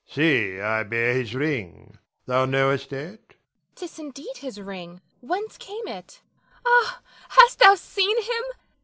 See, I bear his ring, thou knowest it? Nina. 'Tis indeed his ring. Whence came it? Ah, hast thou seen him?